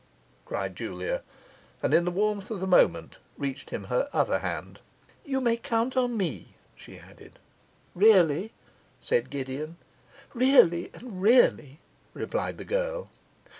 cried Julia; and, in the warmth of the moment, reached him her other hand; 'you may count on me,' she added. 'Really?' said Gideon. 'Really and really!' replied the girl.